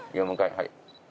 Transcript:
はい。